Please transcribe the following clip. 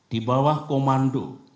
di bawah komando